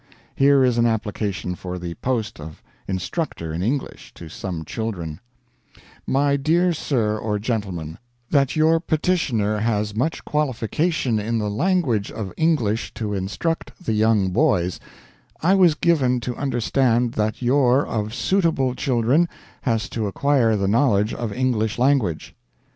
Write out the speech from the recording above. Here is an application for the post of instructor in English to some children: "My Dear Sir or Gentleman, that your Petitioner has much qualification in the Language of English to instruct the young boys; I was given to understand that your of suitable children has to acquire the knowledge of English language."